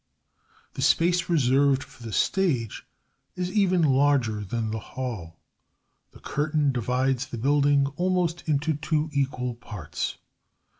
The space reserved for the stage is even larger than the hall. The curtain divides the building almost into two equal parts.